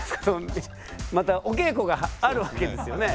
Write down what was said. またお稽古があるわけですよね。